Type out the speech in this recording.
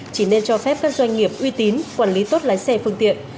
chỉ nên cho phép các doanh nghiệp uy tín quản lý tốt lái xe phương tiện